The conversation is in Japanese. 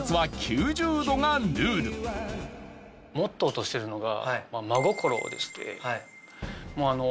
モットーとしてるのが。